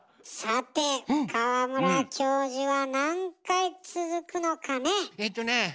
さて川村教授は何回続くのかね？